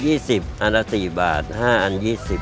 ชุดละ๒๐อันละ๔บาท๕อัน๒๐